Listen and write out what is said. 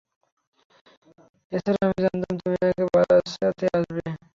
তাছাড়া, আমি জানতাম তুমি আমাকে বাঁচাতে আসবে।